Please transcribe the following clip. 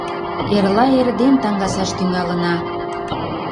Эрла эрден таҥасаш тӱҥалына!